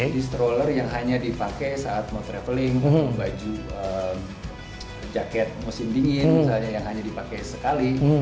di stroller yang hanya dipakai saat mau traveling baju jaket musim dingin misalnya yang hanya dipakai sekali